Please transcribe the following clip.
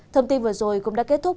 thông tin vừa rồi cũng đã kết thúc